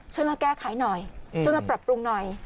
ช่วยมาแก้ไขหน่อยช่วยมาปรับปรุงหน่อย